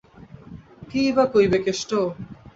কিইবা কইবে কেষ্ট?